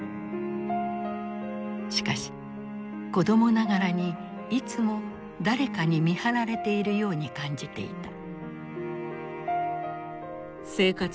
しかし子供ながらにいつも誰かに見張られているように感じていた。